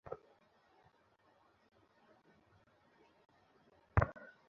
কাজের ব্যস্ততায় তবু মনে মনে তোমার সঙ্গে অনেক অনেক কথা বলে ফেলেছি।